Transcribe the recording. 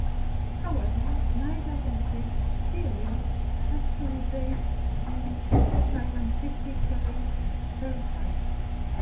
However, neither of these theories has to date been scientifically verified.